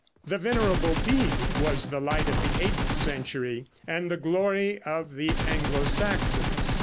The Venerable Bede was the light of the eighth century, and the glory of the Anglo Saxons.